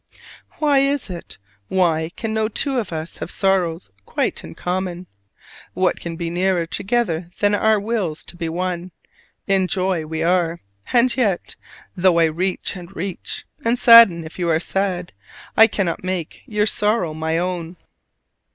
Why is it? why can no two of us have sorrows quite in common? What can be nearer together than our wills to be one? In joy we are; and yet, though I reach and reach, and sadden if you are sad, I cannot make your sorrow my own.